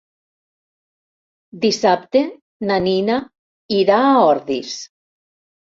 Dissabte na Nina irà a Ordis.